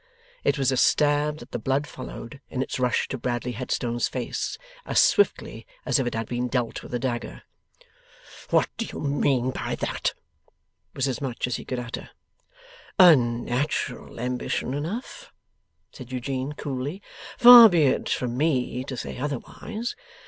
It was a stab that the blood followed, in its rush to Bradley Headstone's face, as swiftly as if it had been dealt with a dagger. 'What do you mean by that?' was as much as he could utter. 'A natural ambition enough,' said Eugene, coolly. 'Far be it from me to say otherwise.